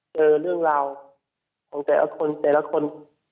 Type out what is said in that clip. เจอเรื่องราวของแต่ละคนแต่ละคน